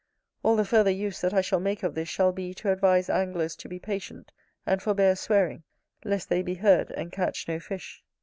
All the further use that I shall make of this shall be, to advise anglers to be patient, and forbear swearing, lest they be heard, and catch no fish.